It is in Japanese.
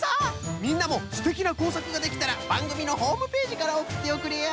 みんなもすてきなこうさくができたらばんぐみのホームページからおくっておくれよ。